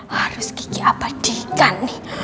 harus kiki abadikan